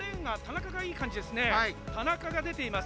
田中が出ています。